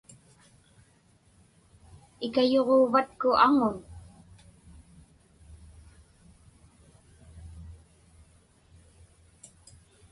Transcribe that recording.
Ikayuġuuvatku aŋun?